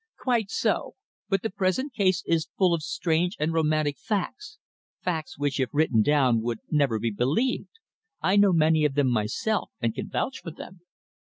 "Quite so. But the present case is full of strange and romantic facts facts, which if written down, would never be believed. I know many of them myself, and can vouch for them."